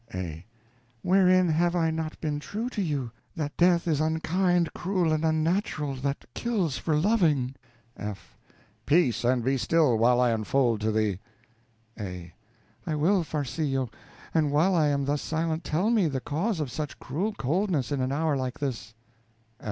A. Wherein have I not been true to you? That death is unkind, cruel, and unnatural, that kills for living. F. Peace, and be still while I unfold to thee. A. I will, Farcillo, and while I am thus silent, tell me the cause of such cruel coldness in an hour like this.